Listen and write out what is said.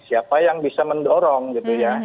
siapa yang bisa mendorong gitu ya